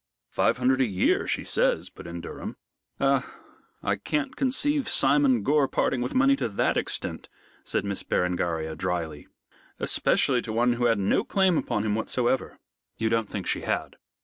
"Five hundred a year, she says," put in Durham. "Ah! I can't conceive Simon Gore parting with money to that extent," said Miss Berengaria, dryly, "especially to one who had no claim upon him whatsoever." "You don't think she had."